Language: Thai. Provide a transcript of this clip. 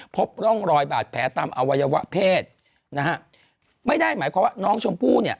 พบร่องรอยบาดแผลตามอวัยวะเพศนะฮะไม่ได้หมายความว่าน้องชมพู่เนี่ย